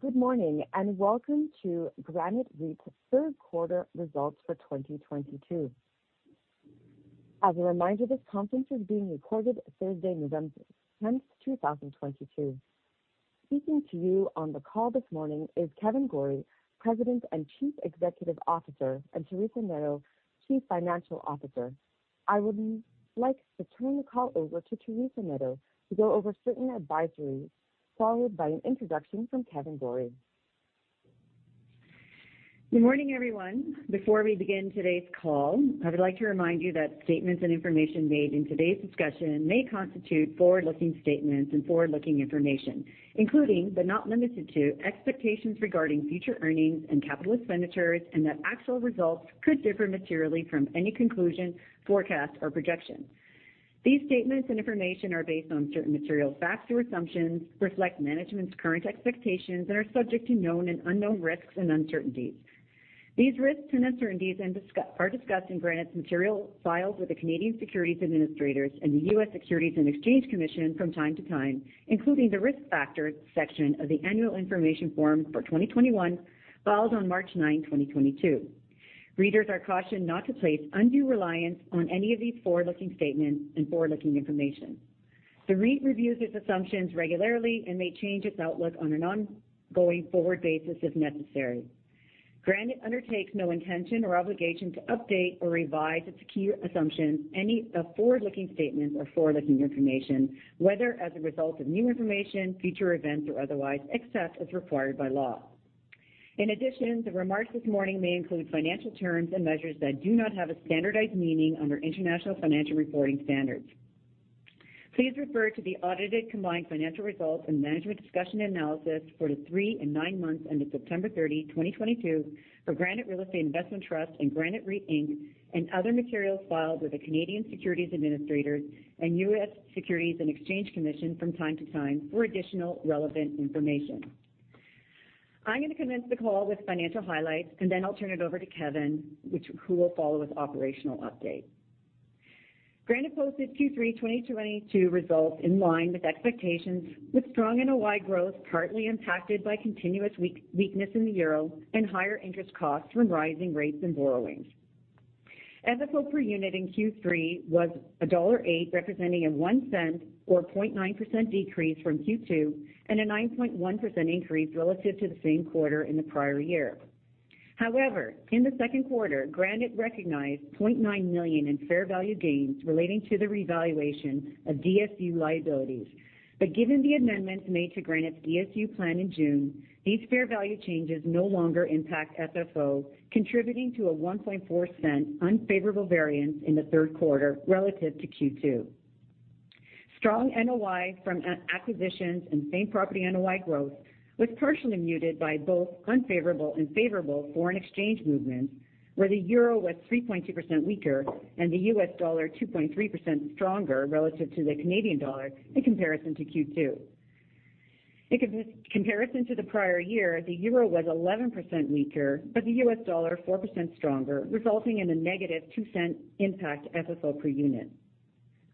Good morning, and welcome to Granite REIT's Third Quarter Results for 2022. As a reminder, this conference is being recorded Thursday, November 10, 2022. Speaking to you on the call this morning is Kevan Gorrie, President and Chief Executive Officer, and Teresa Neto, Chief Financial Officer. I would like to turn the call over to Teresa Neto to go over certain advisories, followed by an introduction from Kevan Gorrie. Good morning, everyone. Before we begin today's call, I would like to remind you that statements and information made in today's discussion may constitute forward-looking statements and forward-looking information including, but not limited to, expectations regarding future earnings and capital expenditures, and that actual results could differ materially from any conclusion, forecast, or projection. These statements and information are based on certain material facts or assumptions, reflect management's current expectations, and are subject to known and unknown risks and uncertainties. These risks and uncertainties are discussed in Granite's materials filed with the Canadian Securities Administrators and the U.S. Securities and Exchange Commission from time to time, including the Risk Factors section of the Annual Information Form for 2021, filed on March 9, 2022. Readers are cautioned not to place undue reliance on any of these forward-looking statements and forward-looking information. The REIT reviews its assumptions regularly and may change its outlook on an ongoing forward basis, if necessary. Granite undertakes no intention or obligation to update or revise its key assumptions, forward-looking statements or forward-looking information, whether as a result of new information, future events or otherwise, except as required by law. In addition, the remarks this morning may include financial terms and measures that do not have a standardized meaning under International Financial Reporting Standards. Please refer to the audited combined financial results and Management Discussion and Analysis for the three and nine months ended September 30, 2022 for Granite Real Estate Investment Trust and Granite REIT Inc., and other materials filed with the Canadian Securities Administrators and U.S. Securities and Exchange Commission from time to time for additional relevant information. I'm gonna commence the call with financial highlights, and then I'll turn it over to Kevan, who will follow with operational updates. Granite posted Q3 2022 results in line with expectations, with strong NOI growth, partly impacted by continuous weakness in the euro and higher interest costs from rising rates and borrowings. FFO per unit in Q3 was $1.08, representing a one cent or 0.9% decrease from Q2, and a 9.1% increase relative to the same quarter in the prior year. However, in the second quarter, Granite recognized $0.9 million in fair value gains relating to the revaluation of DSU liabilities. But given the amendments made to Granite's DSU plan in June, these fair value changes no longer impact FFO, contributing to a 1.4 cent unfavorable variance in the third quarter relative to Q2. Strong NOI from acquisitions and same-property NOI growth was partially muted by both unfavorable and favorable foreign exchange movements, where the euro was 3.2% weaker and the U.S. dollar 2.3% stronger relative to the Canadian dollar in comparison to Q2. In comparison to the prior year, the euro was 11% weaker, but the US dollar 4% stronger, resulting in a negative 0.02 impact to FFO per unit.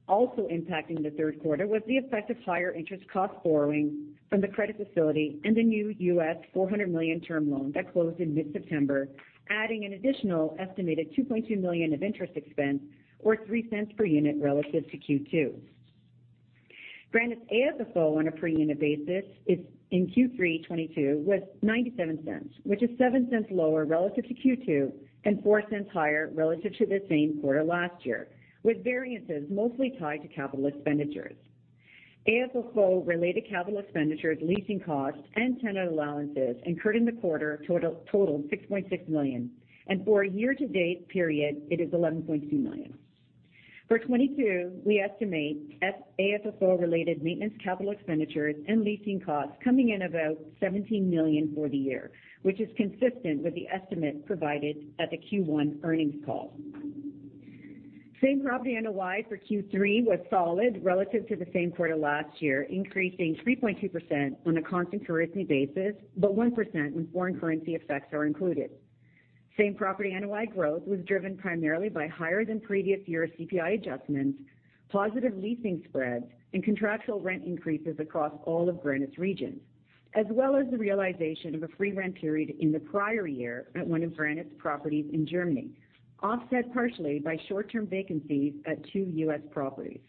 Also impacting the third quarter was the effect of higher interest cost borrowing from the credit facility and the new $400 million term loan that closed in mid-September, adding an additional estimated 2.2 million of interest expense or 0.03 per unit relative to Q2. Granite's AFFO on a per unit basis is, in Q3 2022 was 0.97, which is 0.07 lower relative to Q2 and 0.04 higher relative to the same quarter last year, with variances mostly tied to capital expenditures. AFFO-related capital expenditures, leasing costs, and tenant allowances incurred in the quarter totaled 6.6 million. For a year-to-date period, it is 11.2 million. For 2022, we estimate AFFO-related maintenance capital expenditures and leasing costs coming in about 17 million for the year, which is consistent with the estimate provided at the Q1 earnings call. Same property NOI for Q3 was solid relative to the same quarter last year, increasing 3.2% on a constant currency basis, but 1% when foreign currency effects are included. Same property NOI growth was driven primarily by higher than previous year CPI adjustments, positive leasing spreads, and contractual rent increases across all of Granite's regions, as well as the realization of a free rent period in the prior year at one of Granite's properties in Germany, offset partially by short-term vacancies at two U.S. properties.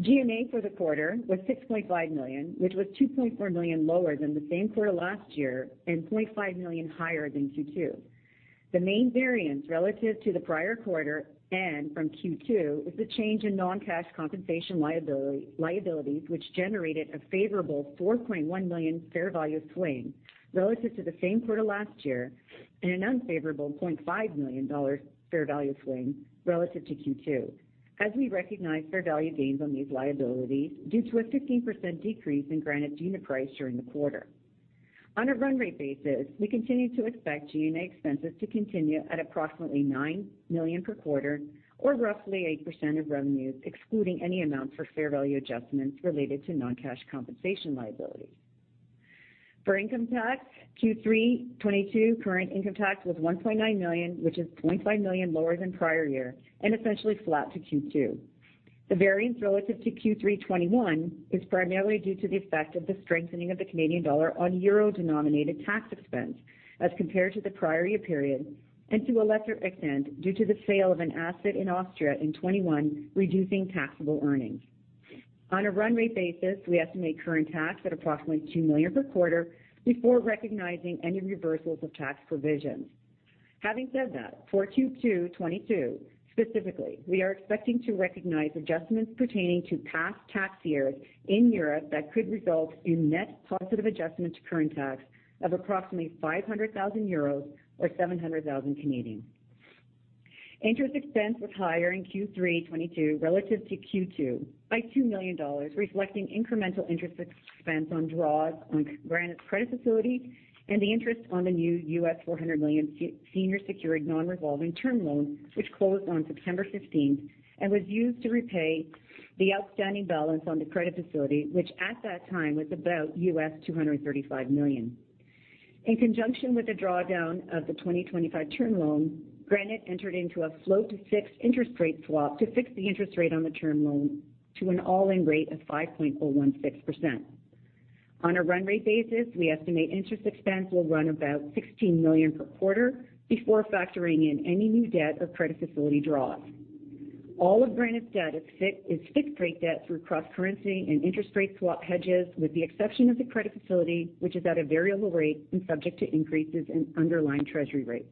G&A for the quarter was 6.5 million, which was 2.4 million lower than the same quarter last year and 0.5 million higher than Q2. The main variance relative to the prior quarter and from Q2 was the change in non-cash compensation liabilities, which generated a favorable $4.1 million fair value swing relative to the same quarter last year, and an unfavorable $0.5 million fair value swing relative to Q2 as we recognize fair value gains on these liabilities due to a 15% decrease in Granite's unit price during the quarter. On a run rate basis, we continue to expect G&A expenses to continue at approximately $9 million per quarter or roughly 8% of revenues, excluding any amount for fair value adjustments related to non-cash compensation liabilities. For income tax, Q3 2022 current income tax was $1.9 million, which is $0.5 million lower than prior year and essentially flat to Q2. The variance relative to Q3 2022 is primarily due to the effect of the strengthening of the Canadian dollar on euro-denominated tax expense as compared to the prior year period, and to a lesser extent, due to the sale of an asset in Austria in 2021, reducing taxable earnings. On a run rate basis, we estimate current tax at approximately 2 million per quarter before recognizing any reversals of tax provisions. Having said that, for Q2 2022 specifically, we are expecting to recognize adjustments pertaining to past tax years in Europe that could result in net positive adjustment to current tax of approximately 500,000 euros or 700,000. Interest expense was higher in Q3 2022 relative to Q2 by 2 million dollars, reflecting incremental interest expense on draws on Granite's credit facility and the interest on the new $400 million senior secured non-revolving term loan, which closed on September 15 and was used to repay the outstanding balance on the credit facility, which at that time was about $235 million. In conjunction with the drawdown of the 2025 term loan, Granite entered into a float to fixed interest rate swap to fix the interest rate on the term loan to an all-in rate of 5.16%. On a run rate basis, we estimate interest expense will run about 16 million per quarter before factoring in any new debt of credit facility draws. All of Granite's debt is fixed rate debt through cross-currency and interest rate swap hedges, with the exception of the credit facility, which is at a variable rate and subject to increases in underlying treasury rates.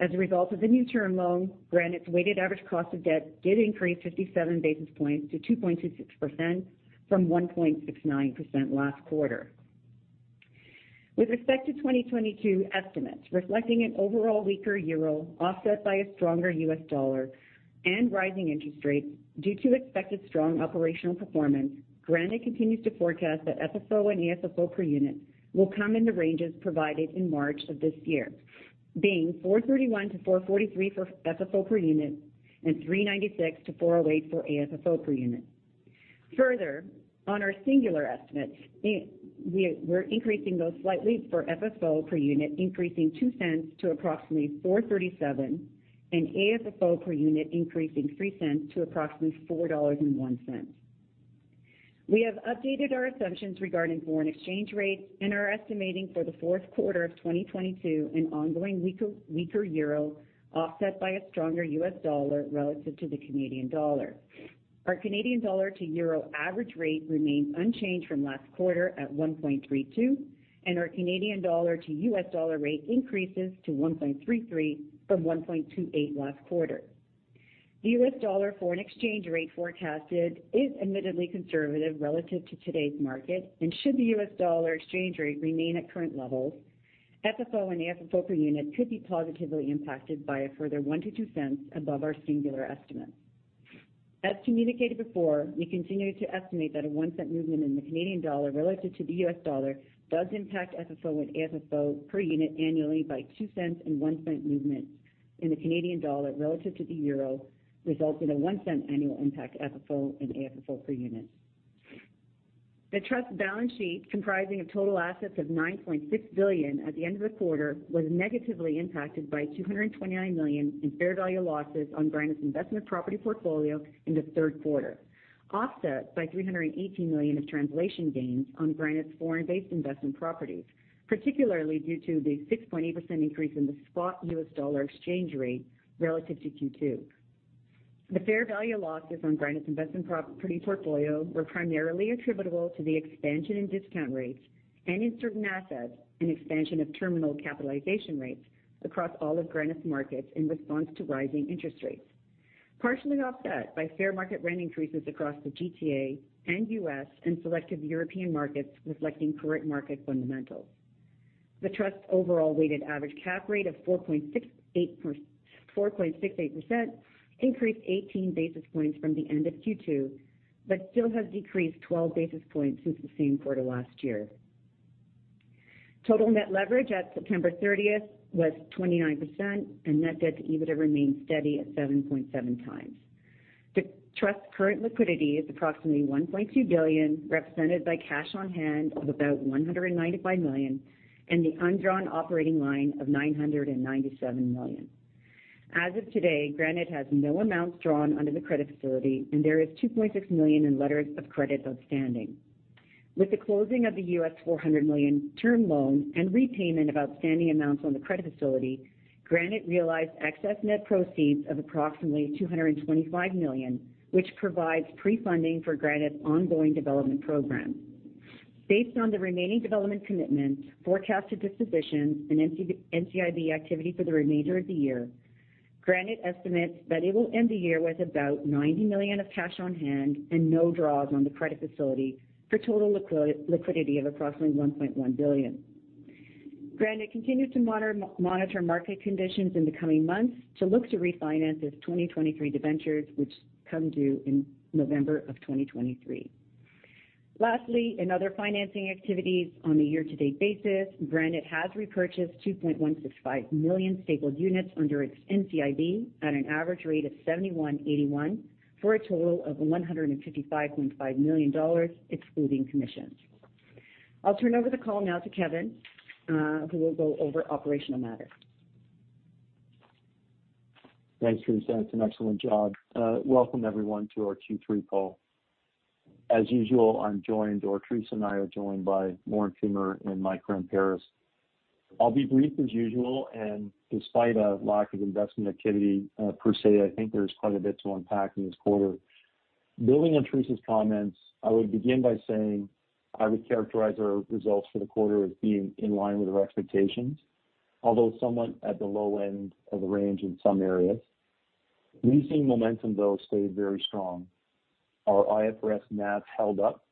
As a result of the new term loan, Granite's weighted average cost of debt did increase 57 basis points to 2.26% from 1.69% last quarter. With respect to 2022 estimates reflecting an overall weaker Euro offset by a stronger U.S dollar and rising interest rates due to expected strong operational performance, Granite continues to forecast that FFO and AFFO per unit will come in the ranges provided in March of this year, being 4.31-4.43 for FFO per unit and 3.96-4.08 for AFFO per unit. Further, on our singular estimate, we're increasing those slightly for FFO per unit, increasing 0.02 to approximately 4.37, and AFFO per unit increasing 0.03 to approximately 4.01 dollars. We have updated our assumptions regarding foreign exchange rates and are estimating for the fourth quarter of 2022 an ongoing weaker euro offset by a stronger U.S. Dollar relative to the Canadian dollar. Our Canadian dollar to euro average rate remains unchanged from last quarter at 1.32, and our Canadian dollar to US dollar rate increases to 1.33 from 1.28 last quarter. The US dollar foreign exchange rate forecasted is admittedly conservative relative to today's market, and should the U.S. dollar exchange rate remain at current levels, FFO and AFFO per unit could be positively impacted by a further 0.01-0.02 above our singular estimate. As communicated before, we continue to estimate that a one-cent movement in the Canadian dollar relative to the U.S. dollar does impact FFO and AFFO per unit annually by 0.02, and one cent movement in the Canadian dollar relative to the euro results in a 0.01 annual impact to FFO and AFFO per unit. The trust balance sheet, comprising of total assets of 9.6 billion at the end of the quarter, was negatively impacted by 229 million in fair value losses on Granite's investment property portfolio in the third quarter, offset by 318 million of translation gains on Granite's foreign-based investment properties, particularly due to the 6.8% increase in the spot U.S. dollar exchange rate relative to Q2. The fair value losses on Granite's investment property portfolio were primarily attributable to the expansion in discount rates and in certain assets, an expansion of terminal capitalization rates across all of Granite's markets in response to rising interest rates. Partially offset by fair market rent increases across the GTA and U.S. and selective European markets reflecting current market fundamentals. The Trust overall weighted average cap rate of 4.68% increased 18 basis points from the end of Q2, but still has decreased 12 basis points since the same quarter last year. Total net leverage at September thirtieth was 29%, and net debt to EBITDA remains steady at 7.7 times. The Trust current liquidity is approximately 1.2 billion, represented by cash on hand of about 195 million and the undrawn operating line of 997 million. As of today, Granite has no amounts drawn under the credit facility, and there is 2.6 million in letters of credit outstanding. With the closing of the $400 million term loan and repayment of outstanding amounts on the credit facility, Granite realized excess net proceeds of approximately 225 million, which provides pre-funding for Granite's ongoing development program. Based on the remaining development commitments, forecasted dispositions, and NCIB activity for the remainder of the year, Granite estimates that it will end the year with about 90 million of cash on hand and no draws on the credit facility for total liquidity of approximately 1.1 billion. Granite continues to monitor market conditions in the coming months to look to refinance its 2023 debentures, which come due in November 2023. Lastly, in other financing activities on a year-to-date basis, Granite has repurchased 2.165 million stapled units under its NCIB at an average rate of 71.81 for a total of 155.5 million dollars excluding commissions. I'll turn over the call now to Kevan, who will go over operational matters. Thanks, Teresa. It's an excellent job. Welcome everyone to our Q3 call. As usual, I'm joined, or Teresa and I are joined by Lorne Kumer and Michael Ramparas. I'll be brief as usual, and despite a lack of investment activity, per se, I think there's quite a bit to unpack in this quarter. Building on Teresa's comments, I would begin by saying I would characterize our results for the quarter as being in line with our expectations, although somewhat at the low end of the range in some areas. Leasing momentum, though, stayed very strong. Our IFRS NAV held up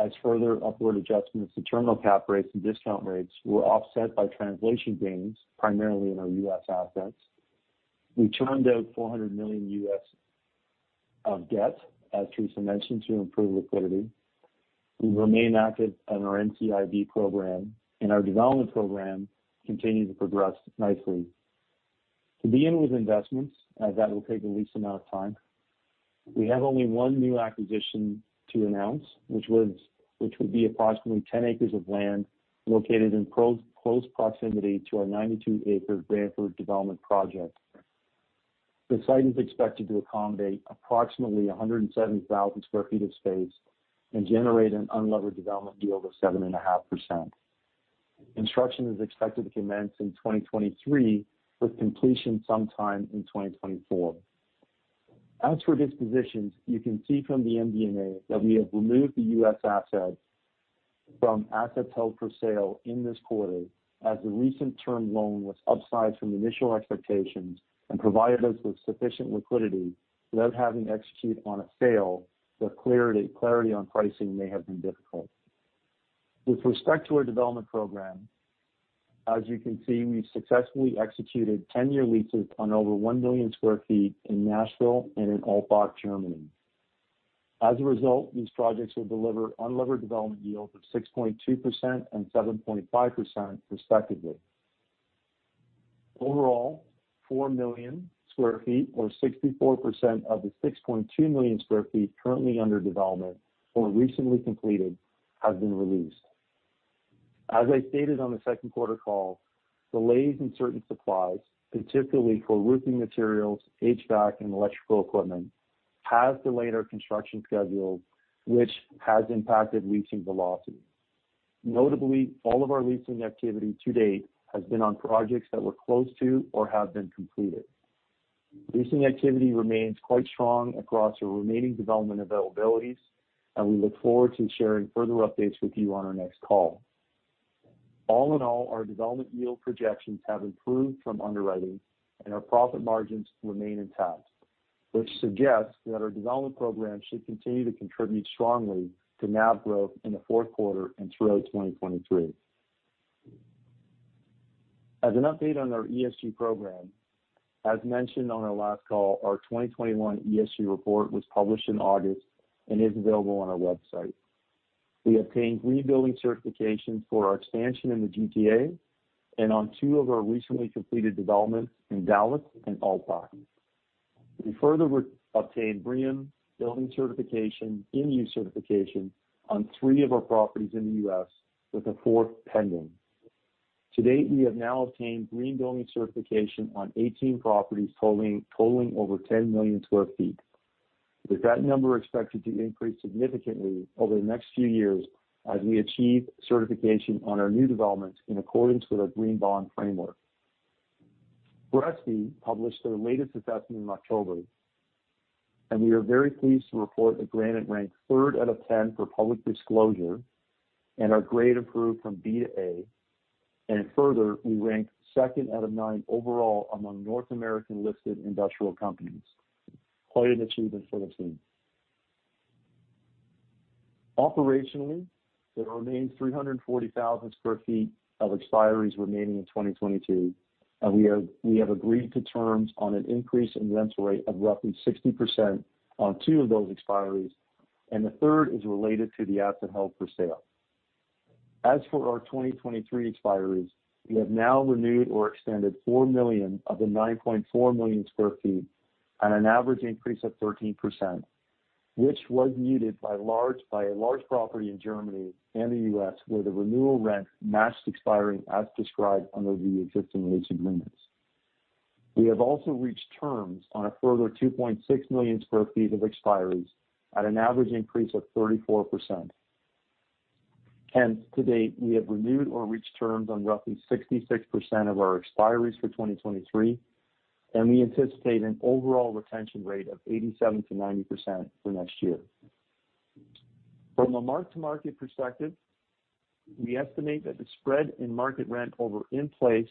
as further upward adjustments to terminal cap rates and discount rates were offset by translation gains, primarily in our U.S. assets. We turned out $400 million of debt, as Teresa mentioned, to improve liquidity. We remain active on our NCIB program, and our development program continued to progress nicely. To begin with investments, as that will take the least amount of time. We have only one new acquisition to announce, which would be approximately 10 acres of land located in close proximity to our 92-acre Brantford development project. The site is expected to accommodate approximately 170,000 sq ft of space and generate an unlevered development yield of 7.5%. Construction is expected to commence in 2023 with completion sometime in 2024. As for dispositions, you can see from the MD&A that we have removed the U.S. asset from assets held for sale in this quarter as the recent term loan was upsized from initial expectations and provided us with sufficient liquidity without having to execute on a sale, where clarity on pricing may have been difficult. With respect to our development program, as you can see, we've successfully executed 10-year leases on over 1 million sq ft in Nashville and in Altbach, Germany. As a result, these projects will deliver unlevered development yields of 6.2% and 7.5% respectively. Overall, 4 million sq ft or 64% of the 6.2 million sq ft currently under development or recently completed have been released. As I stated on the second quarter call, delays in certain supplies, particularly for roofing materials, HVAC, and electrical equipment, has delayed our construction schedule, which has impacted leasing velocity. Notably, all of our leasing activity to date has been on projects that were close to or have been completed. Leasing activity remains quite strong across our remaining development availabilities, and we look forward to sharing further updates with you on our next call. All in all, our development yield projections have improved from underwriting and our profit margins remain intact, which suggests that our development program should continue to contribute strongly to NAV growth in the fourth quarter and throughout 2023. As an update on our ESG program, as mentioned on our last call, our 2021 ESG report was published in August and is available on our website. We obtained green building certification for our expansion in the GTA and on two of our recently completed developments in Dallas and Altbach. We further obtained BREEAM Building certification, in-use certification on three of our properties in the U.S, with a fourth pending. To date, we have now obtained green building certification on 18 properties totaling over 10 million sq ft, with that number expected to increase significantly over the next few years as we achieve certification on our new developments in accordance with our green bond framework. GRESB published their latest assessment in October, and we are very pleased to report that Granite ranked third out of 10 for public disclosure and our grade improved from B to A. Further, we ranked second out of 9 overall among North American listed industrial companies. Quite an achievement for the team. Operationally, there remains 340,000 sq ft of expiries remaining in 2022, and we have agreed to terms on an increase in rental rate of roughly 60% on two of those expiries, and the third is related to the asset held for sale. As for our 2023 expiries, we have now renewed or extended 4 million of the 9.4 million sq ft at an average increase of 13%, which was muted by a large property in Germany and the U.S., where the renewal rent matched expiry as described under the existing leasing agreements. We have also reached terms on a further 2.6 million sq ft of expiries at an average increase of 34%. Hence, to date, we have renewed or reached terms on roughly 66% of our expiries for 2023, and we anticipate an overall retention rate of 87%-90% for next year. From a mark-to-market perspective, we estimate that the spread in market rent over in place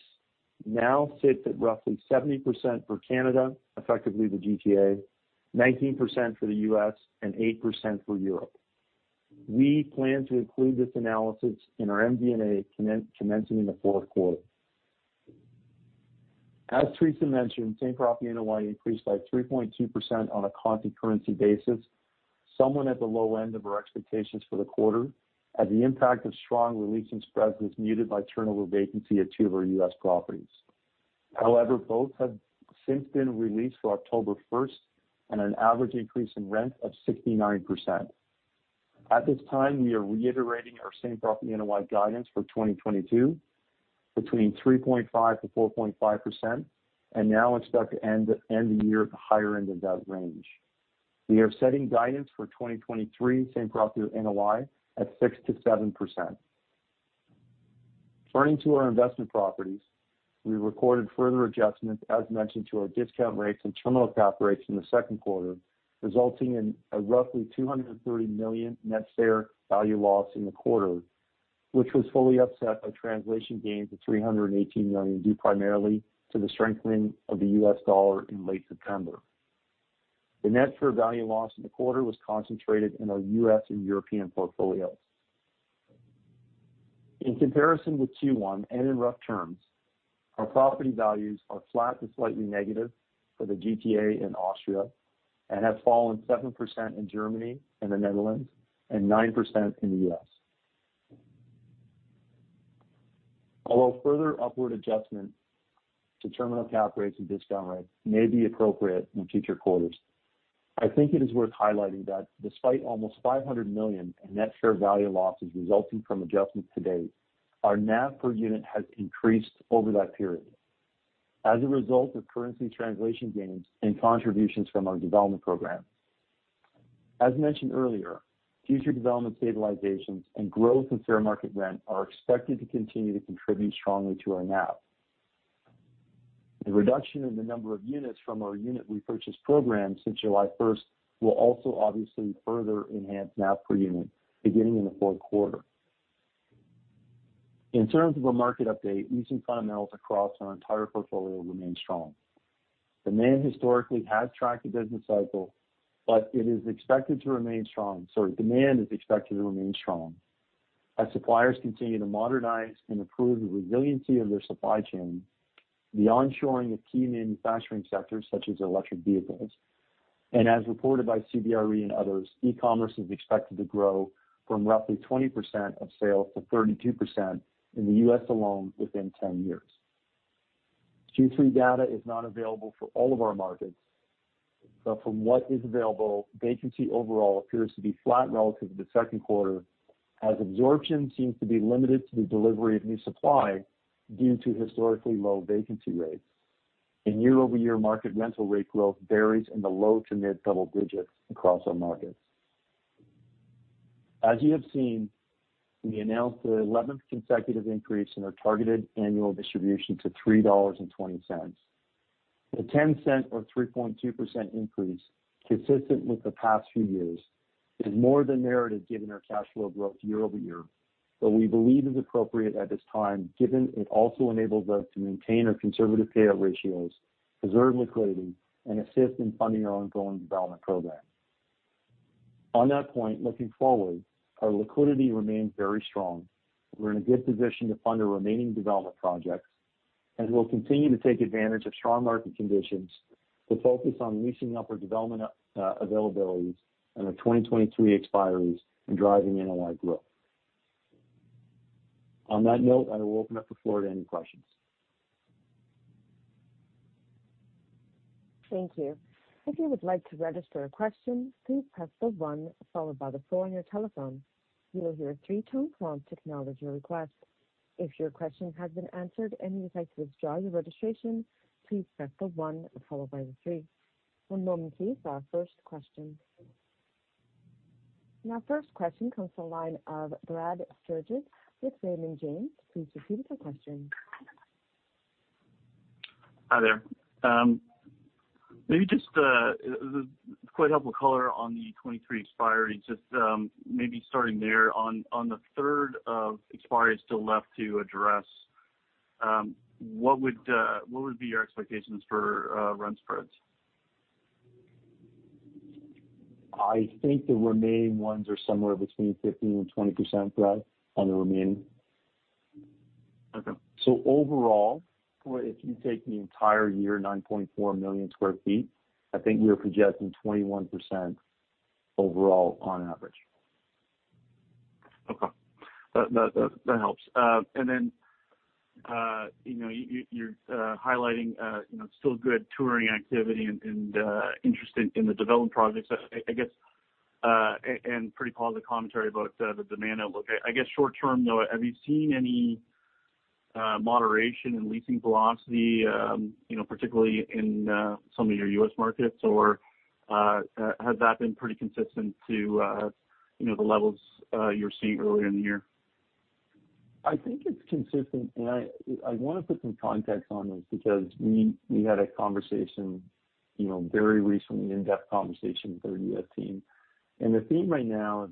now sits at roughly 70% for Canada, effectively the GTA, 19% for the US, and 8% for Europe. We plan to include this analysis in our MD&A commencing in the fourth quarter. As Teresa mentioned, same property NOI increased by 3.2% on a constant currency basis, somewhat at the low end of our expectations for the quarter, as the impact of strong re-leasing spreads was muted by turnover vacancy at two of our US properties. However, both have since been re-leased to October first at an average increase in rent of 69%. At this time, we are reiterating our same property NOI guidance for 2022 between 3.5%-4.5% and now expect to end the year at the higher end of that range. We are setting guidance for 2023 same property NOI at 6%-7%. Turning to our investment properties, we recorded further adjustments, as mentioned, to our discount rates and terminal cap rates in the second quarter, resulting in a roughly 230 million net fair value loss in the quarter, which was fully offset by translation gains of 318 million, due primarily to the strengthening of the US dollar in late September. The net fair value loss in the quarter was concentrated in our U.S. and European portfolios. In comparison with Q1 and in rough terms, our property values are flat to slightly negative for the GTA in Austria, and have fallen 7% in Germany and the Netherlands, and 9% in the U.S. Although further upward adjustments to terminal cap rates and discount rates may be appropriate in future quarters, I think it is worth highlighting that despite almost 500 million in net share value losses resulting from adjustments to date, our NAV per unit has increased over that period as a result of currency translation gains and contributions from our development program. As mentioned earlier, future development stabilizations and growth in fair market rent are expected to continue to contribute strongly to our NAV. The reduction in the number of units from our unit repurchase program since July first will also obviously further enhance NAV per unit beginning in the fourth quarter. In terms of a market update, leasing fundamentals across our entire portfolio remain strong. Demand historically has tracked the business cycle, but it is expected to remain strong. So demand is expected to remain strong. As suppliers continue to modernize and improve the resiliency of their supply chain, the onshoring of key manufacturing sectors, such as electric vehicles, and as reported by CBRE and others, E-commerce is expected to grow from roughly 20% of sales to 32% in the U.S. alone within 10 years. Q3 data is not available for all of our markets, but from what is available, vacancy overall appears to be flat relative to the second quarter, as absorption seems to be limited to the delivery of new supply due to historically low vacancy rates. Year-over-year market rental rate growth varies in the low to mid-double digits across our markets. As you have seen, we announced the eleventh consecutive increase in our targeted annual distribution to 3.20 dollars. The 0.10 or 3.2% increase consistent with the past few years is more than merited, given our cash flow growth year-over-year, but we believe is appropriate at this time, given it also enables us to maintain our conservative payout ratios, preserve liquidity, and assist in funding our ongoing development program. On that point, looking forward, our liquidity remains very strong. We're in a good position to fund our remaining development projects, and we'll continue to take advantage of strong market conditions to focus on leasing up our development availabilities and our 2023 expiries and driving NOI growth. On that note, I will open up the floor to any questions. Thank you. If you would like to register a question, please press the one followed by the four on your telephone. You will hear a three-tone prompt to acknowledge your request. If your question has been answered and you'd like to withdraw your registration, please press the one followed by the three. One moment please for our first question. Our first question comes from the line of Brad Sturges with Raymond James. Please proceed with your question. Hi there. Maybe just quite helpful color on the 2023 expiry. Just maybe starting there on the third of expiries still left to address, what would be your expectations for rent spreads? I think the remaining ones are somewhere between 15% and 20%, Brad, on the remaining. Okay. Overall, if you take the entire year, 9.4 million sq ft, I think we are projecting 21% overall on average. Okay. That helps. You know, you're highlighting, you know, still good touring activity and interest in the development projects. I guess and pretty positive commentary about the demand outlook. I guess short term though, have you seen any moderation in leasing velocity, you know, particularly in some of your U.S. markets? Or has that been pretty consistent to, you know, the levels you were seeing earlier in the year? I think it's consistent. I want to put some context on this because we had a conversation, you know, very recently, in-depth conversation with our U.S. team. The theme right now is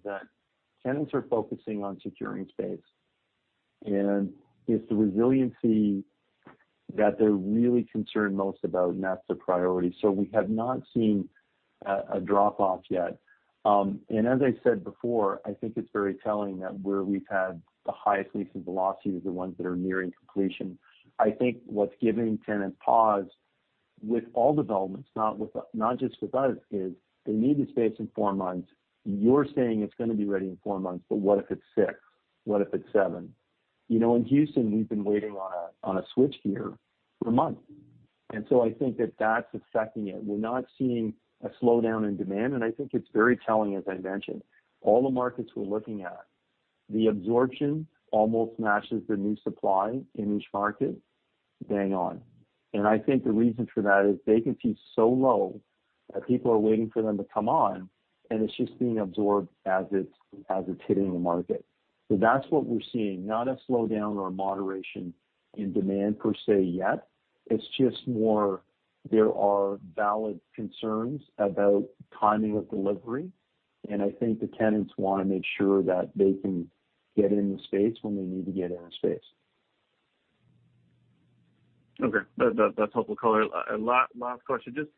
that tenants are focusing on securing space. It's the resiliency that they're really concerned most about, and that's the priority. We have not seen a drop off yet. As I said before, I think it's very telling that where we've had the highest leasing velocity is the ones that are nearing completion. I think what's giving tenants pause with all developments, not just with us, is they need the space in four months. You're saying it's going to be ready in four months, but what if it's six? What if it's seven? You know, in Houston, we've been waiting on a switchgear for a month. I think that that's affecting it. We're not seeing a slowdown in demand, and I think it's very telling, as I mentioned. All the markets we're looking at, the absorption almost matches the new supply in each market bang on. I think the reason for that is vacancy is so low that people are waiting for them to come on, and it's just being absorbed as it's hitting the market. That's what we're seeing, not a slowdown or a moderation in demand per se yet. It's just more there are valid concerns about timing of delivery. I think the tenants wanna make sure that they can get in the space when they need to get in the space. Okay. That's helpful color. Last question. Just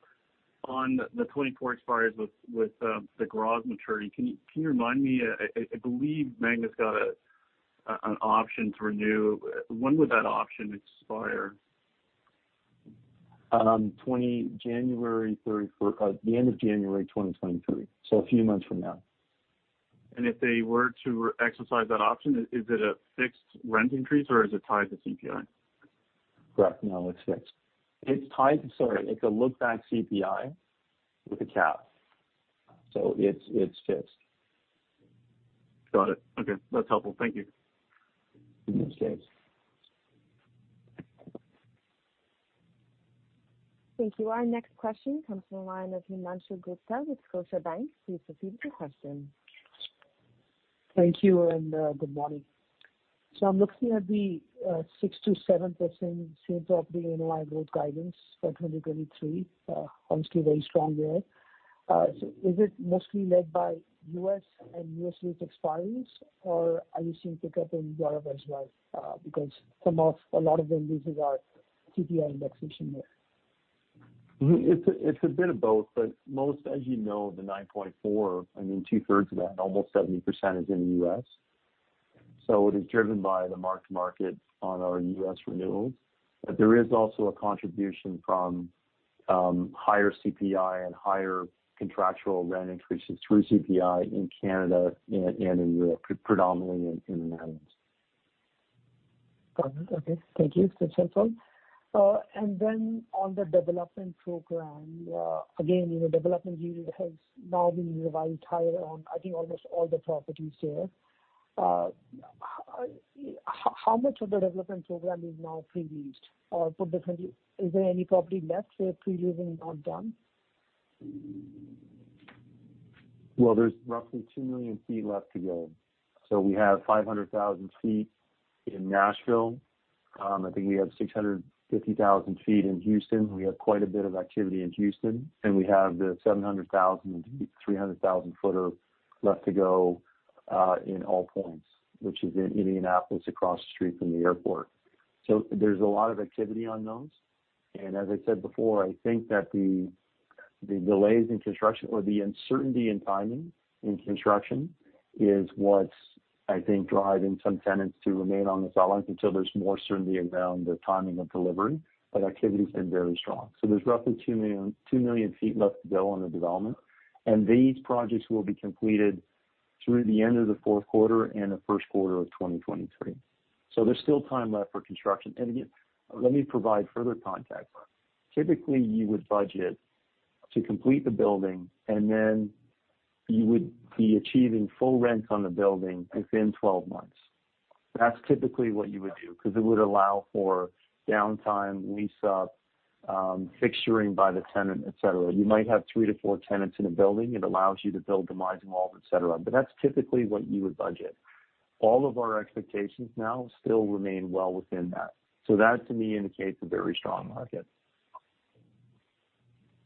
on the 24 expires with the gross maturity, can you remind me, I believe Magna's got an option to renew. When would that option expire? January thirty-first, the end of January 2023, so a few months from now. If they were to exercise that option, is it a fixed rent increase, or is it tied to CPI? Correct. No, it's fixed. It's a look-back CPI with a cap. It's fixed. Got it. Okay. That's helpful. Thank you. Thanks,. Thank you. Our next question comes from the line of Himanshu Gupta with Scotiabank. Please proceed with your question. Thank you, good morning. I'm looking at the 6%-7% same property NOI growth guidance for 2023. Honestly, very strong there. Is it mostly led by U.S. lease expiries, or are you seeing pickup in Europe as well? Because a lot of the leases are CPI indexation there. It's a bit of both, but most, as you know, the 9.4, I mean, two-thirds of that, almost 70% is in the U.S. It is driven by the mark-to-market on our U.S. renewals. There is also a contribution from higher CPI and higher contractual rent increases through CPI in Canada and in Europe, predominantly in the Netherlands. Got it. Okay. Thank you. That's helpful. On the development program, again, you know, development yield has now been revised higher on, I think, almost all the properties there. How much of the development program is now pre-leased? Is there any property left where pre-leasing is not done? Well, there's roughly 2 million sq ft left to go. We have 500,000 sq ft in Nashville. I think we have 650,000 sq ft in Houston. We have quite a bit of activity in Houston. We have the 700,000, 300,000 footer left to go in AllPoints, which is in Indianapolis across the street from the airport. There's a lot of activity on those. As I said before, I think that the delays in construction or the uncertainty in timing in construction is what's, I think, driving some tenants to remain on the sidelines until there's more certainty around the timing of delivery, but activity's been very strong. There's roughly 2 million sq ft left to go on the development. These projects will be completed through the end of the fourth quarter and the first quarter of 2023. There's still time left for construction. Again, let me provide further context. Typically, you would budget to complete the building, and then you would be achieving full rent on the building within 12 months. That's typically what you would do because it would allow for downtime, lease up, fixturing by the tenant, et cetera. You might have 3-4 tenants in a building. It allows you to build demise involved, et cetera. That's typically what you would budget. All of our expectations now still remain well within that. That, to me, indicates a very strong market.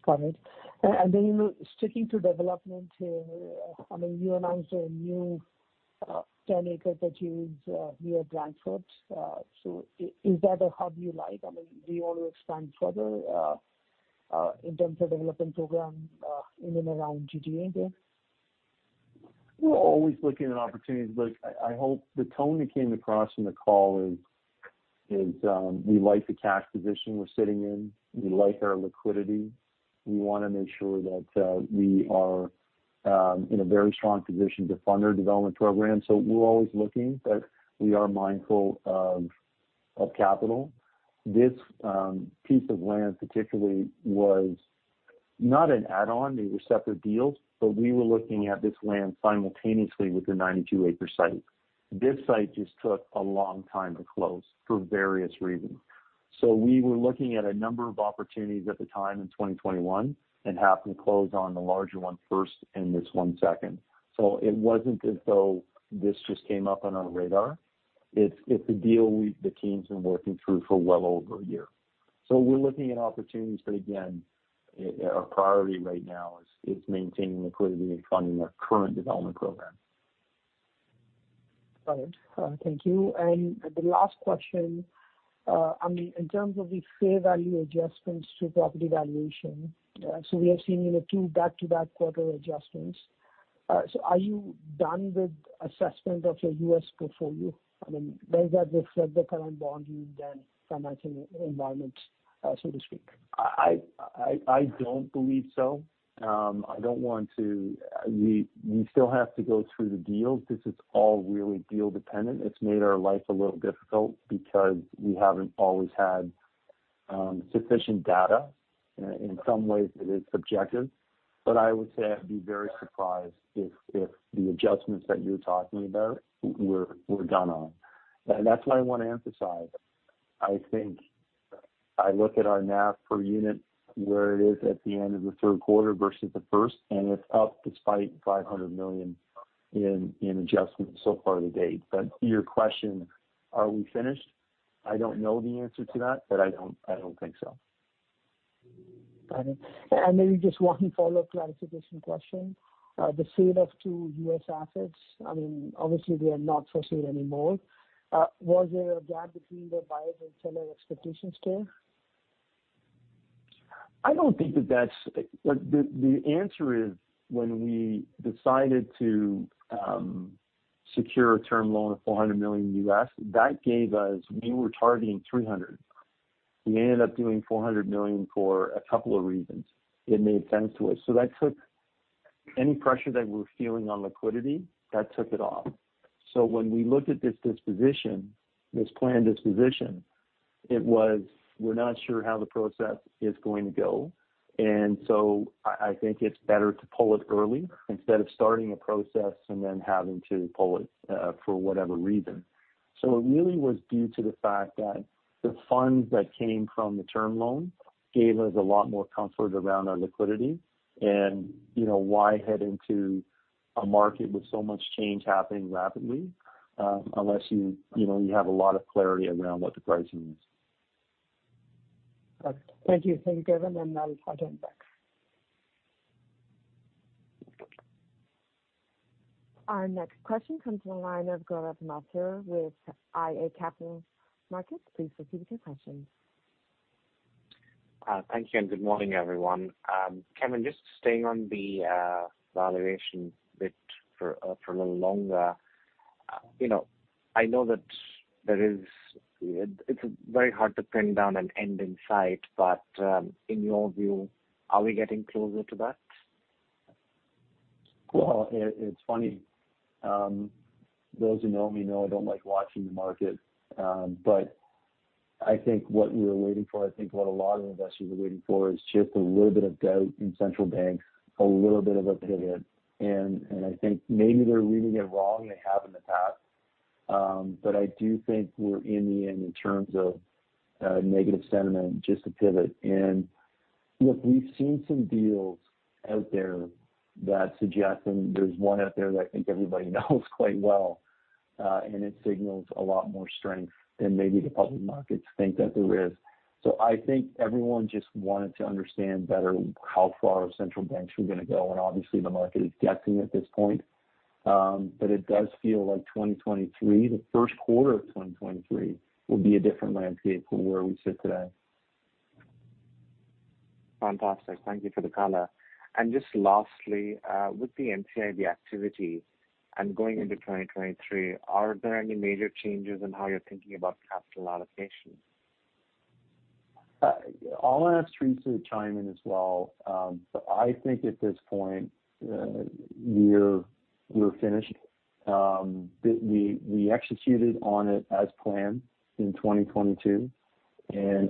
Got it. You know, sticking to development, I mean, you announced a new 10-acre purchase near Brantford. So is that a hub you like? I mean, do you want to expand further in terms of development program in and around GTA there? We're always looking at opportunities, but I hope the tone that came across from the call is we like the cash position we're sitting in. We like our liquidity. We wanna make sure that we are in a very strong position to fund our development program. We're always looking, but we are mindful of capital. This piece of land particularly was not an add-on. They were separate deals, but we were looking at this land simultaneously with the 92-acre site. This site just took a long time to close for various reasons. We were looking at a number of opportunities at the time in 2021 and happened to close on the larger one first and this one second. It wasn't as though this just came up on our radar. It's a deal the team's been working through for well over a year. We're looking at opportunities, but again, our priority right now is maintaining liquidity and funding our current development program. Got it. Thank you. The last question, I mean, in terms of the fair value adjustments to property valuation, so we have seen, you know, two back-to-back quarter adjustments. Are you done with assessment of your U.S. portfolio? I mean, does that reflect the current value in the financial environment, so to speak? I don't believe so. I don't want to. We still have to go through the deals. This is all really deal dependent. It's made our life a little difficult because we haven't always had sufficient data. In some ways it is subjective, but I would say I'd be very surprised if the adjustments that you're talking about were done on. That's why I wanna emphasize, I think I look at our NAV per unit where it is at the end of the third quarter versus the first, and it's up despite 500 million in adjustments so far to date. To your question, are we finished? I don't know the answer to that, but I don't think so. Got it. Maybe just one follow-up clarification question. The sale of 2 U.S. assets, I mean, obviously they are not for sale anymore. Was there a gap between the buyer and seller expectations there? The answer is when we decided to secure a term loan of $400 million, that gave us. We were targeting $300 million. We ended up doing $400 million for a couple of reasons. It made sense to us. That took any pressure that we're feeling on liquidity, that took it off. When we looked at this disposition, this planned disposition, we're not sure how the process is going to go. I think it's better to pull it early instead of starting a process and then having to pull it for whatever reason. It really was due to the fact that the funds that came from the term loan gave us a lot more comfort around our liquidity. You know, why head into a market with so much change happening rapidly, unless you know you have a lot of clarity around what the pricing is. Got it. Thank you. Thanks, Kevan, and I'll turn it back. Our next question comes from the line of Gaurav Mathur with iA Capital Markets. Please proceed with your question. Thank you, and good morning, everyone. Kevan, just staying on the valuation bit for a little longer. You know, I know that it's very hard to pin down an end in sight, but in your view, are we getting closer to that? Well, it's funny. Those who know me know I don't like watching the market. I think what we were waiting for, I think what a lot of investors were waiting for is just a little bit of doubt in central banks, a little bit of a pivot. I think maybe they're reading it wrong, they have in the past. I do think we're at the end in terms of negative sentiment, just to pivot. Look, we've seen some deals out there that suggest, and there's one out there that I think everybody knows quite well, and it signals a lot more strength than maybe the public markets think that there is. I think everyone just wanted to understand better how far central banks were gonna go, and obviously the market is guessing at this point. It does feel like 2023, the first quarter of 2023 will be a different landscape from where we sit today. Fantastic. Thank you for the color. Just lastly, with the NCIB activity and going into 2023, are there any major changes in how you're thinking about capital allocation? I'll ask Teresa to chime in as well. But I think at this point, we're finished. We executed on it as planned in 2022.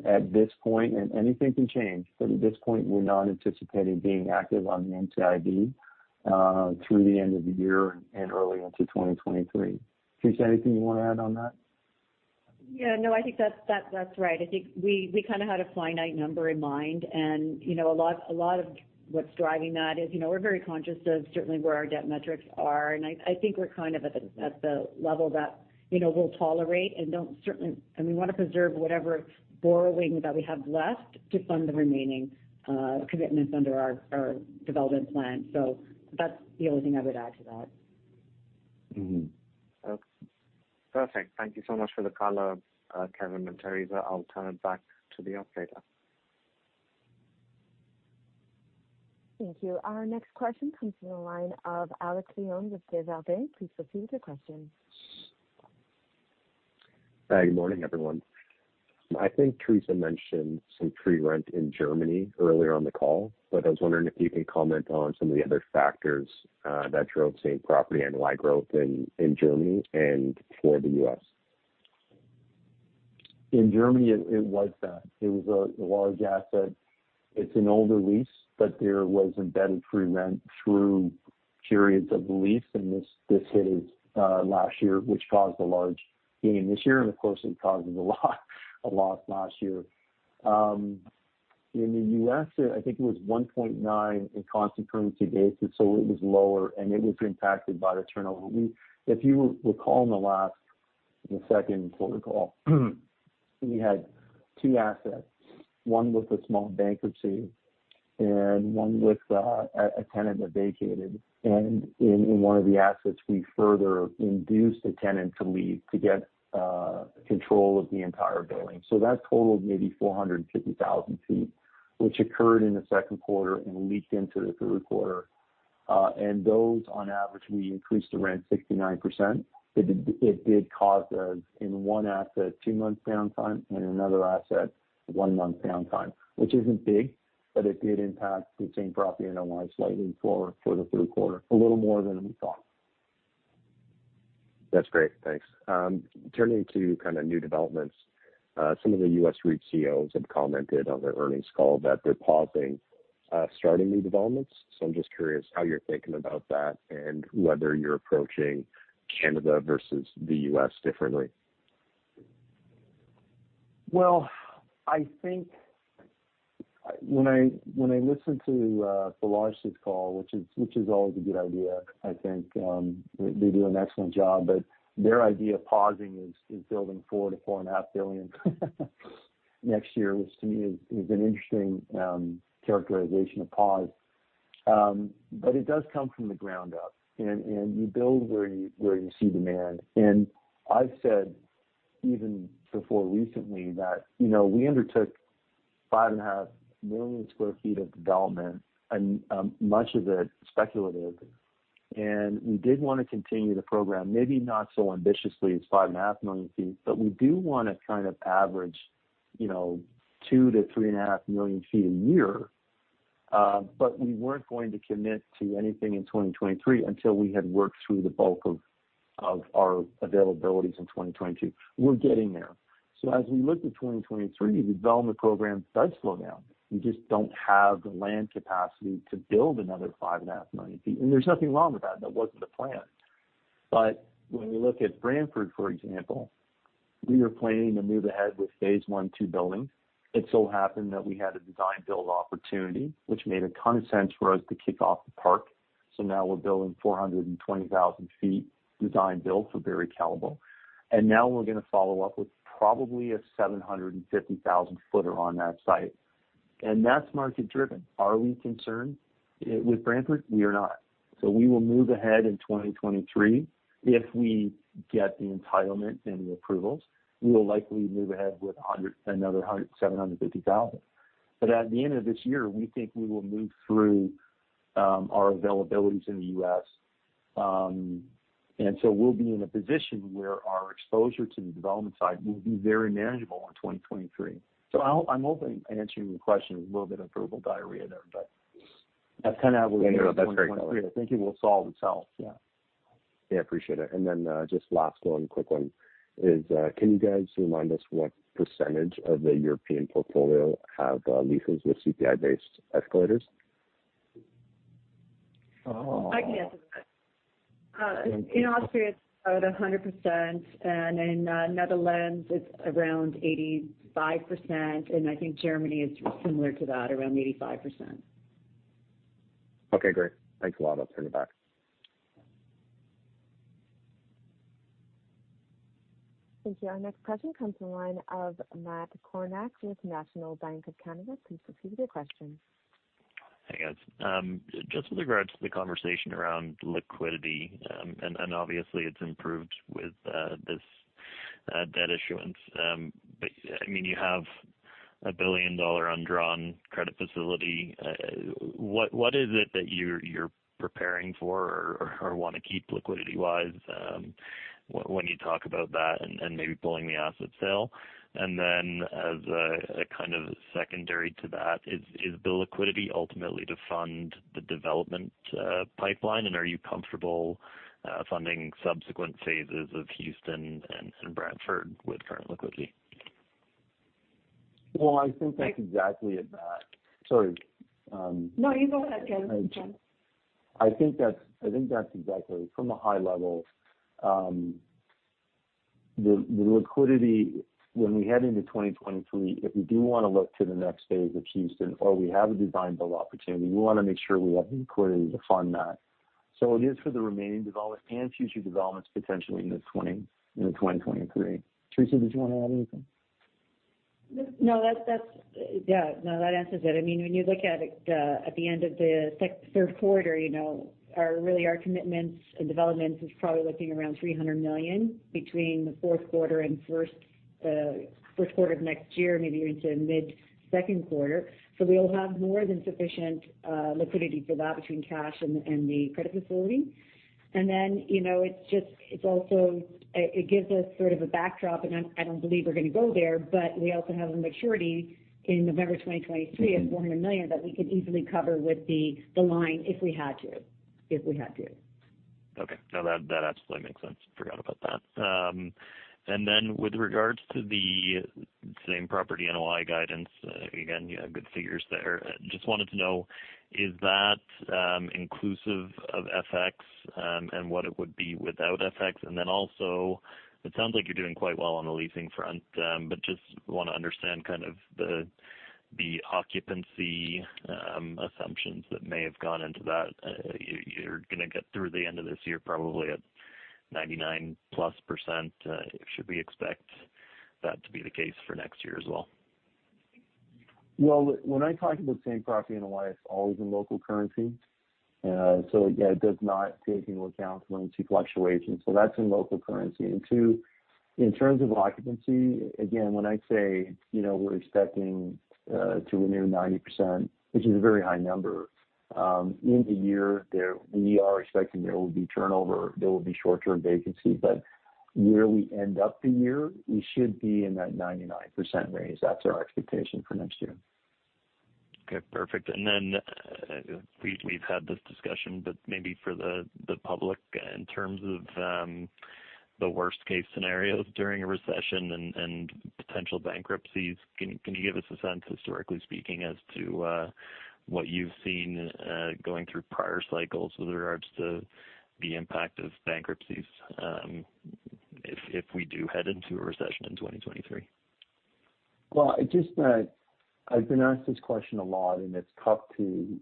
At this point and anything can change, but at this point, we're not anticipating being active on the NCIB through the end of the year and early into 2023. Teresa, anything you wanna add on that? Yeah. No, I think that's right. I think we kinda had a finite number in mind and, you know, a lot of what's driving that is, you know, we're very conscious of certainly where our debt metrics are. I think we're kind of at the level that, you know, we'll tolerate and don't certainly and we wanna preserve whatever borrowing that we have left to fund the remaining commitments under our development plan. That's the only thing I would add to that. Mm-hmm. Okay. Perfect. Thank you so much for the color, Kevan and Teresa. I'll turn it back to the operator. Thank you. Our next question comes from the line of Kyle Stanley with Desjardins. Please proceed with your question. Hi, good morning, everyone. I think Teresa mentioned some free rent in Germany earlier on the call. I was wondering if you can comment on some of the other factors that drove same property NOI growth in Germany and for the U.S. In Germany, it was that. It was a large asset. It's an older lease, but there was embedded free rent through periods of the lease, and this hit it last year, which caused a large gain this year, and of course it caused a lot a loss last year. In the U.S., I think it was 1.9 in constant currency basis, so it was lower, and it was impacted by the turnover. If you recall in the second quarter call, we had two assets, one with a small bankruptcy and one with a tenant that vacated. In one of the assets, we further induced a tenant to leave to get control of the entire building. That totaled maybe 450,000 sq ft, which occurred in the second quarter and leaked into the third quarter. Those on average, we increased the rent 69%. It did cause in one asset, 2 months downtime, and in another asset, 1 month downtime, which isn't big, but it did impact the same property NOI slightly for the third quarter, a little more than we thought. That's great. Thanks. Turning to kind of new developments. Some of the U.S. REIT CEOs have commented on their earnings call that they're pausing starting new developments. I'm just curious how you're thinking about that and whether you're approaching Canada versus the U.S. differently. Well, I think when I listen to Prologis this call, which is always a good idea, I think they do an excellent job. Their idea of pausing is building $4-$4.5 billion next year, which to me is an interesting characterization of pause. It does come from the ground up and you build where you see demand. I've said even before recently that, you know, we undertook 5.5 million sq ft of development and much of it speculative. We did want to continue the program, maybe not so ambitiously as 5.5 million sq ft, but we do want to kind of average, you know, 2-3.5 million sq ft a year. We weren't going to commit to anything in 2023 until we had worked through the bulk of our availabilities in 2022. We're getting there. As we look to 2023, the development program does slow down. We just don't have the land capacity to build another 5.5 million sq ft, and there's nothing wrong with that. That wasn't the plan. When we look at Brantford, for example, we were planning to move ahead with phase one two building. It so happened that we had a design build opportunity, which made a ton of sense for us to kick off the park. Now we're building 420,000 sq ft design build for Barry Callebaut. Now we're gonna follow up with probably a 750,000 sq ft footer on that site. That's market driven. Are we concerned with Brantford? We are not. We will move ahead in 2023 if we get the entitlement and the approvals. We will likely move ahead with another 750,000. At the end of this year, we think we will move through our availabilities in the U.S, and we'll be in a position where our exposure to the development side will be very manageable in 2023. I'm hoping I answered your question with a little bit of verbal diarrhea there, but that's kind of how we're looking at 2023. No, that's very color. I think it will solve itself. Yeah. Yeah, appreciate it. Just last one, quick one is, can you guys remind us what percentage of the European portfolio have leases with CPI-based escalators? Oh. I can answer that. In Austria, it's about 100%, and in the Netherlands, it's around 85%, and I think Germany is similar to that, around 85%. Okay, great. Thanks a lot. I'll turn it back. Thank you. Our next question comes from the line of Matt Kornack with National Bank Financial. Please proceed with your question. Hey, guys. Just with regards to the conversation around liquidity, and obviously it's improved with this debt issuance. I mean, you have a billion-dollar undrawn credit facility. What is it that you're preparing for or wanna keep liquidity-wise, when you talk about that and maybe pulling the asset sale? Then as a kind of secondary to that, is the liquidity ultimately to fund the development pipeline, and are you comfortable funding subsequent phases of Houston and Brantford with current liquidity? Well, I think that's exactly it, Matt. Sorry, No, you go ahead, Kevan Gorrie. I think that's exactly. From a high level, the liquidity when we head into 2023, if we do wanna look to the next phase of Houston or we have a design build opportunity, we wanna make sure we have the liquidity to fund that. It is for the remaining developments and future developments potentially in the 2023. Teresa, did you wanna add anything? No. That's. Yeah. No, that answers it. I mean, when you look at the end of the third quarter, you know, really our commitments and developments is probably looking around 300 million between the fourth quarter and first quarter of next year, maybe into mid-second quarter. We'll have more than sufficient liquidity for that between cash and the credit facility. Then, you know, it's just it also gives us sort of a backdrop, and I don't believe we're gonna go there, but we also have a maturity in November 2023 of 400 million that we could easily cover with the line if we had to. Okay. No. That absolutely makes sense. Forgot about that. With regards to the same property NOI guidance, again, you have good figures there. Just wanted to know, is that inclusive of FX, and what it would be without FX? It sounds like you're doing quite well on the leasing front, but just wanna understand kind of the occupancy assumptions that may have gone into that. You're gonna get through the end of this year probably at 99%+. Should we expect that to be the case for next year as well? Well, when I talk about same property NOI, it's always in local currency. Yeah, it does not take into account currency fluctuations. That's in local currency. Two, in terms of occupancy, again, when I say, you know, we're expecting to renew 90%, which is a very high number, in the year we are expecting there will be turnover, there will be short-term vacancy. Where we end up the year, we should be in that 99% range. That's our expectation for next year. Okay, perfect. Then, we've had this discussion, but maybe for the public in terms of the worst case scenarios during a recession and potential bankruptcies, can you give us a sense, historically speaking, as to what you've seen going through prior cycles with regards to the impact of bankruptcies, if we do head into a recession in 2023? Well, it's just that I've been asked this question a lot, and it's tough to.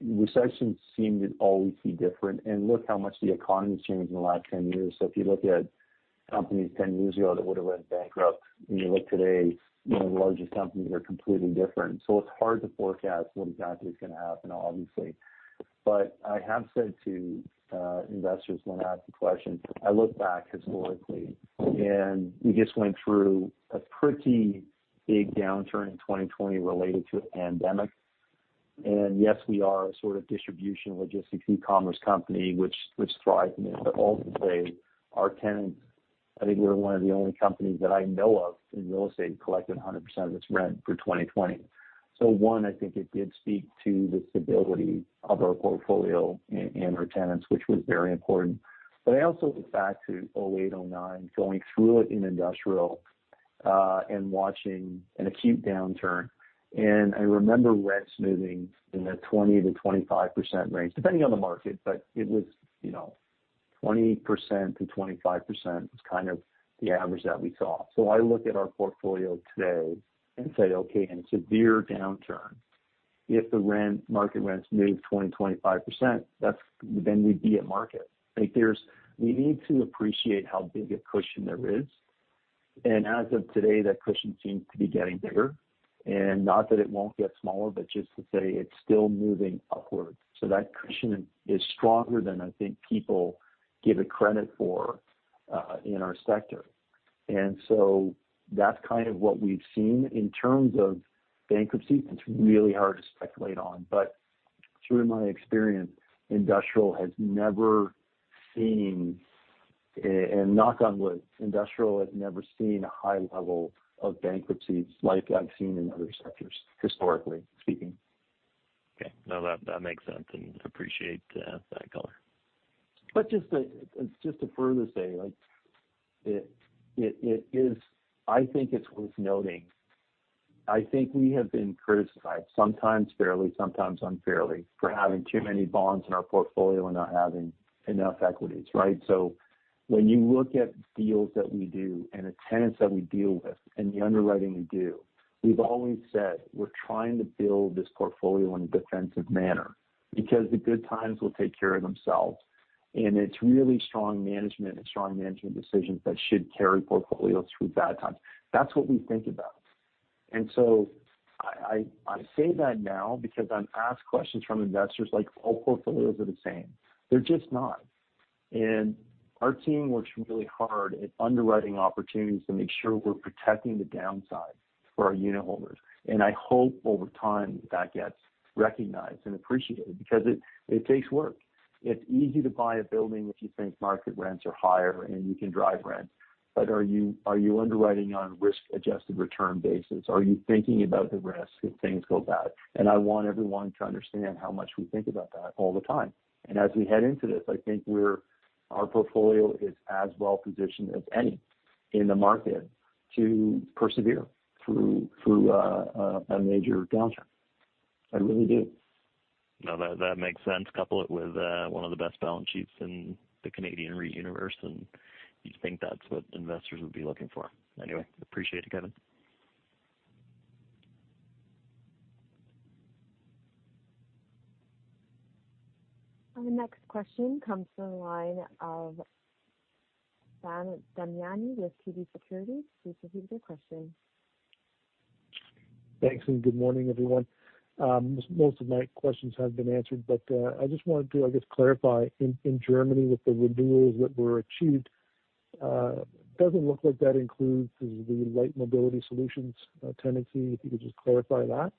Recessions seem to always be different, and look how much the economy has changed in the last 10 years. If you look at companies 10 years ago that would have went bankrupt, and you look today, you know, the largest companies are completely different. It's hard to forecast what exactly is gonna happen, obviously. I have said to investors when asked the question, I look back historically, and we just went through a pretty big downturn in 2020 related to the pandemic. Yes, we are a sort of distribution, logistics, e-commerce company which thrived in it. But ultimately, our tenants, I think we're one of the only companies that I know of in real estate collected 100% of its rent for 2020. One, I think it did speak to the stability of our portfolio and our tenants, which was very important. I also look back to 2008, 2009, going through it in industrial, and watching an acute downturn. I remember rents moving in the 20%-25% range, depending on the market, but it was, you know, 20%-25% was kind of the average that we saw. I look at our portfolio today and say, okay, in a severe downturn, if the, market rents move 20%-25%, that's, then we'd be at market. I think there's, we need to appreciate how big a cushion there is. As of today, that cushion seems to be getting bigger. Not that it won't get smaller, but just to say it's still moving upwards. That cushion is stronger than I think people give it credit for, in our sector. That's kind of what we've seen. In terms of bankruptcies, it's really hard to speculate on. Through my experience, industrial has never seen—and knock on wood—a high level of bankruptcies like I've seen in other sectors, historically speaking. Okay. No, that makes sense, and appreciate that color. Just to further say, it is. I think it's worth noting. I think we have been criticized, sometimes fairly, sometimes unfairly, for having too many bonds in our portfolio and not having enough equities, right? When you look at deals that we do and the tenants that we deal with and the underwriting we do, we've always said, we're trying to build this portfolio in a defensive manner because the good times will take care of themselves. It's really strong management and strong management decisions that should carry portfolios through bad times. That's what we think about. I say that now because I'm asked questions from investors like all portfolios are the same. They're just not. Our team works really hard at underwriting opportunities to make sure we're protecting the downside for our unit holders. I hope over time that gets recognized and appreciated because it takes work. It's easy to buy a building if you think market rents are higher and you can drive rent. Are you underwriting on risk-adjusted return basis? Are you thinking about the risk if things go bad? I want everyone to understand how much we think about that all the time. As we head into this, I think our portfolio is as well-positioned as any in the market to persevere through a major downturn. I really do. No, that makes sense. Couple it with one of the best balance sheets in the Canadian REIT universe, and you think that's what investors would be looking for. Anyway, appreciate it, Kevan. Our next question comes from the line of Sam Damiani with TD Securities. Please proceed with your question. Thanks, and good morning, everyone. Most of my questions have been answered, but I just wanted to, I guess, clarify in Germany with the renewals that were achieved, doesn't look like that includes the Light Mobility Solutions tenancy, if you could just clarify that.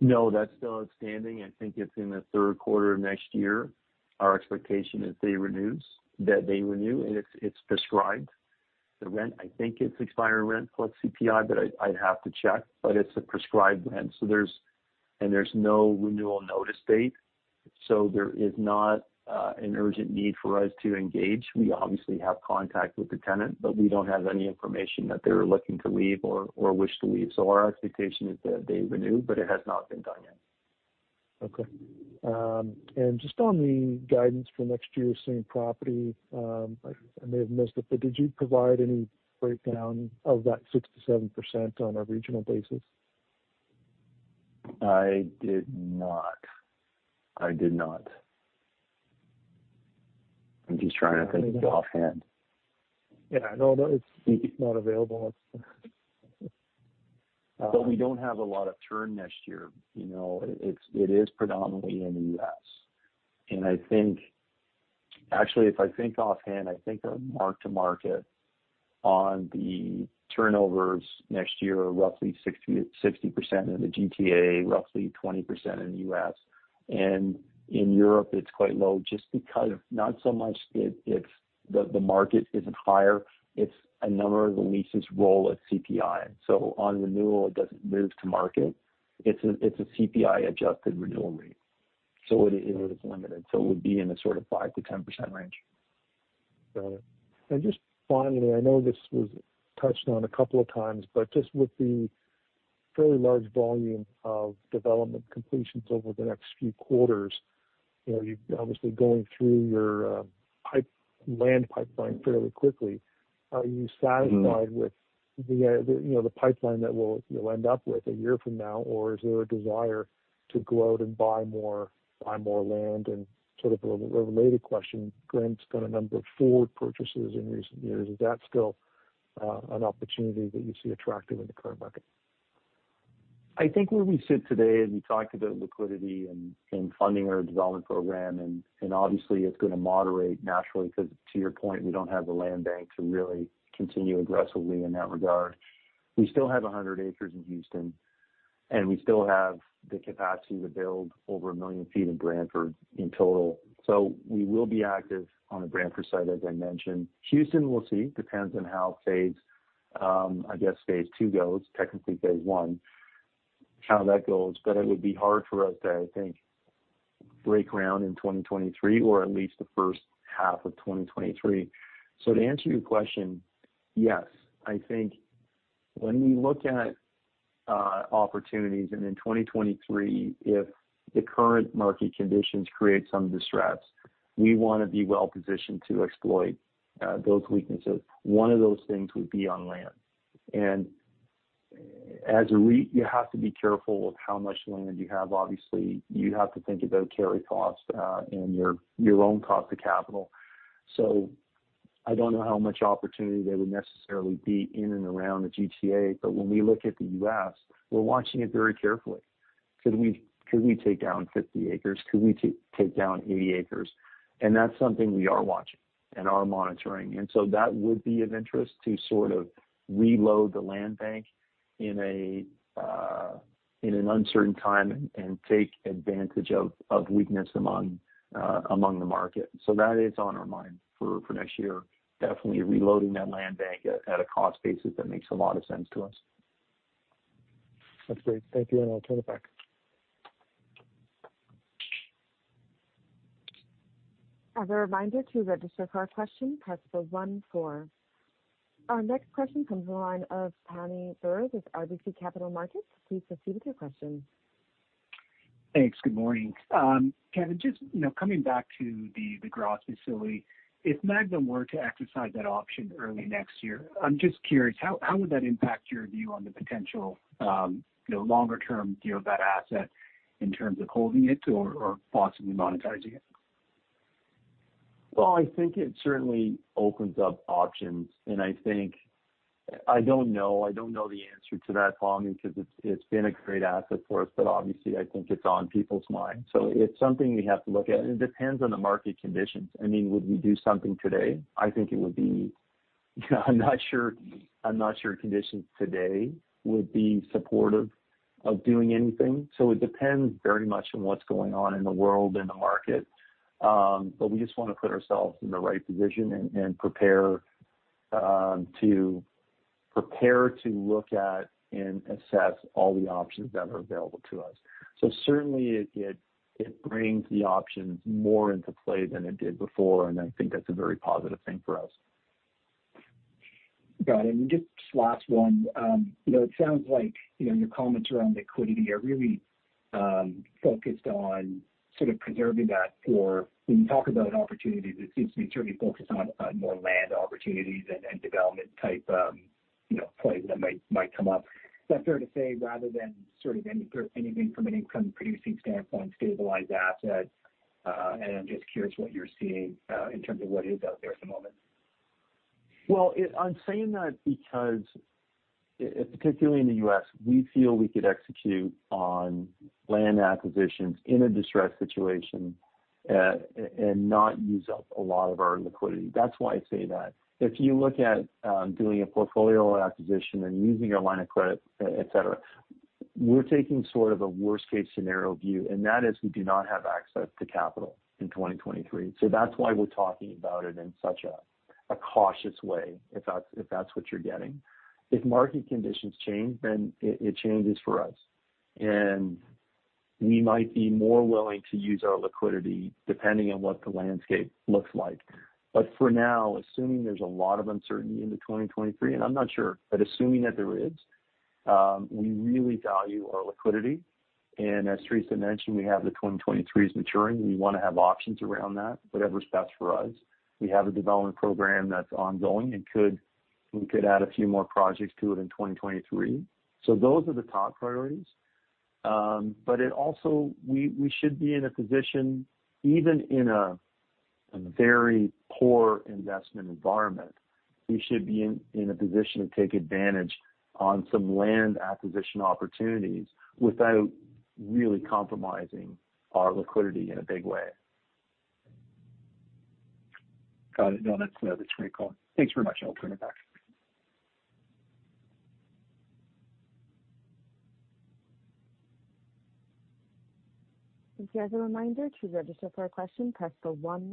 No, that's still outstanding. I think it's in the third quarter of next year. Our expectation is that they renew, and it's prescribed. The rent, I think it's expiring rent plus CPI, but I'd have to check. It's a prescribed rent. There's no renewal notice date, so there is not an urgent need for us to engage. We obviously have contact with the tenant, but we don't have any information that they're looking to leave or wish to leave. Our expectation is that they renew, but it has not been done yet. Okay. Just on the guidance for next year, same property, I may have missed it, but did you provide any breakdown of that 67% on a regional basis? I did not. I'm just trying to think offhand. Yeah, no, that is not available. We don't have a lot of turn next year. You know, it is predominantly in the U.S. Actually, if I think offhand, I think our mark-to-market on the turnovers next year are roughly 60% in the GTA, roughly 20% in the U.S. In Europe, it's quite low just because of not so much the market isn't higher, it's a number of the leases roll at CPI. On renewal, it doesn't move to market. It's a CPI-adjusted renewal rate. It is limited. It would be in the sort of 5%-10% range. Got it. Just finally, I know this was touched on a couple of times, but just with the fairly large volume of development completions over the next few quarters, you know, you're obviously going through your land pipeline fairly quickly. Are you satisfied- Mm-hmm. with the pipeline that you'll end up with a year from now? Or is there a desire to go out and buy more land? Sort of a related question, Granite's done a number of forward purchases in recent years. Is that still an opportunity that you see attractive in the current market? I think where we sit today, and we talked about liquidity and funding our development program, and obviously it's gonna moderate naturally, because to your point, we don't have the land bank to really continue aggressively in that regard. We still have 100 acres in Houston, and we still have the capacity to build over 1 million sq ft in Brantford in total. We will be active on the Brantford site, as I mentioned. Houston, we'll see. Depends on how phase two goes, technically phase one, how that goes. It would be hard for us to, I think, break ground in 2023, or at least the first half of 2023. To answer your question, yes. I think when we look at opportunities in 2023, if the current market conditions create some distress, we wanna be well positioned to exploit those weaknesses. One of those things would be on land. As a REIT, you have to be careful with how much land you have. Obviously, you have to think about carry costs and your own cost of capital. I don't know how much opportunity there would necessarily be in and around the GTA, but when we look at the U.S, we're watching it very carefully. Could we take down 50 acres? Could we take down 80 acres? That's something we are watching and are monitoring. That would be of interest to sort of reload the land bank in a, in an uncertain time and take advantage of weakness among the market. That is on our mind for next year. Definitely reloading that land bank at a cost basis that makes a lot of sense to us. That's great. Thank you. I'll turn it back. As a reminder, to register for a question, press the 14. Our next question comes on the line of Pammi Bir with RBC Capital Markets. Please proceed with your question. Thanks. Good morning. Kevan, just, you know, coming back to the Graz facility. If Magna were to exercise that option early next year, I'm just curious, how would that impact your view on the potential, you know, longer term view of that asset in terms of holding it or possibly monetizing it? Well, I think it certainly opens up options, and I think I don't know. I don't know the answer to that, Tony, because it's been a great asset for us, but obviously I think it's on people's minds. It's something we have to look at, and it depends on the market conditions. I mean, would we do something today? I think it would be. I'm not sure conditions today would be supportive of doing anything. It depends very much on what's going on in the world and the market. We just want to put ourselves in the right position and prepare to look at and assess all the options that are available to us. Certainly it brings the options more into play than it did before, and I think that's a very positive thing for us. Got it. Just last one. You know, it sounds like, you know, your comments around liquidity are really focused on sort of preserving that for when you talk about opportunities, it seems to be certainly focused on more land opportunities and development type, you know, plays that might come up. Is that fair to say, rather than sort of anything from an income producing standpoint, stabilized assets? I'm just curious what you're seeing in terms of what is out there at the moment. Well, I'm saying that because, particularly in the U.S, we feel we could execute on land acquisitions in a distressed situation, and not use up a lot of our liquidity. That's why I say that. If you look at doing a portfolio acquisition and using a line of credit, et cetera, we're taking sort of a worst case scenario view, and that is we do not have access to capital in 2023. That's why we're talking about it in such a cautious way, if that's what you're getting. If market conditions change, then it changes for us, and we might be more willing to use our liquidity depending on what the landscape looks like. For now, assuming there's a lot of uncertainty into 2023, and I'm not sure, but assuming that there is, we really value our liquidity. As Teresa mentioned, we have the 2023s maturing. We wanna have options around that, whatever's best for us. We have a development program that's ongoing and could add a few more projects to it in 2023. Those are the top priorities. It also, we should be in a position, even in a very poor investment environment, we should be in a position to take advantage of some land acquisition opportunities without really compromising our liquidity in a big way. Got it. No, that's great, Colin. Thanks very much. I'll turn it back. Just as a reminder, to register for a question, press 14.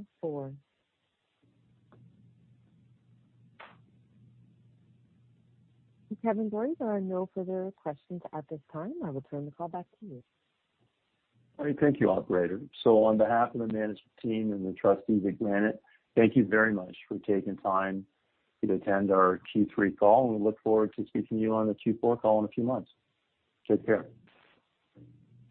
Kevan Gorrie, there are no further questions at this time. I will turn the call back to you. All right. Thank you, operator. On behalf of the management team and the trustees at Granite, thank you very much for taking time to attend our Q3 call, and we look forward to speaking to you on the Q4 call in a few months. Take care.